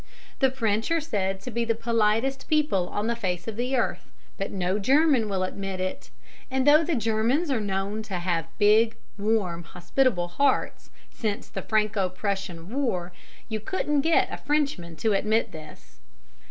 The French are said to be the politest people on the face of the earth, but no German will admit it; and though the Germans are known to have big, warm, hospitable hearts, since the Franco Prussian war you couldn't get a Frenchman to admit this.